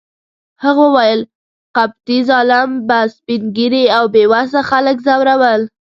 هغه وویل: قبطي ظالم به سپین ږیري او بې وسه خلک ځورول.